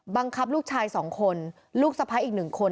บังคับลูกชาย๒คนลูกสะพ้ายอีก๑คน